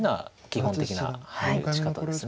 基本的な打ち方です。